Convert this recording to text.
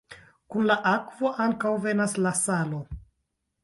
Kun la akvo ankaŭ venas la salo.